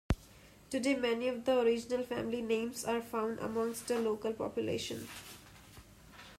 Today many of the original family names are found amongst the local population.